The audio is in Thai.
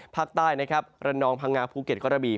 ภาคใต้ระนนองพังงาพูเก็ตกรบี